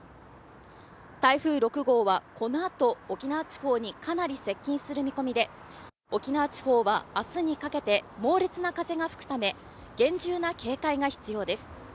台風６号はこのあと沖縄地方にかなり接近する見込みで沖縄地方は明日にかけて猛烈な風が吹くため厳重な警戒が必要です。